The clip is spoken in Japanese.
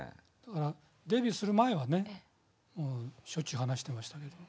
デビューする前はねしょっちゅう話してましたけど。